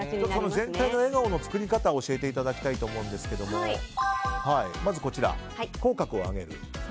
全体の笑顔の作り方を教えていただきたいと思うんですがまず、口角を上げる。